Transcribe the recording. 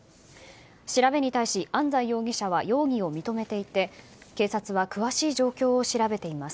調べに対し、安在容疑者は容疑を認めていて警察は詳しい状況を調べています。